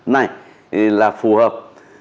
này là phù hợp